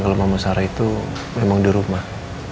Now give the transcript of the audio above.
kalau mama sarah itu memang di rumah